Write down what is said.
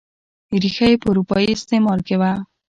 ریښه یې په اروپايي استعمار کې وه.